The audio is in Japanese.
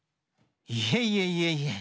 いえいえいえいえ。